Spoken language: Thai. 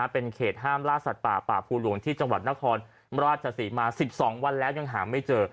เป็นเขตห้ามล่าสัตว์ป่าป่าภูหลวงที่จังหวัดนครราชศรีมา๑๒วันแล้วยังหาไม่เจอ